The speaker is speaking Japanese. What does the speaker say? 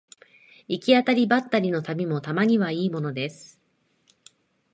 行き当たりばったりの旅もたまにはいいものです